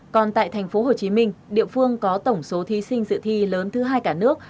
còn tại thành phố hồ chí minh địa phương có tổng số thí sinh dự thi lớn thứ hai cả nước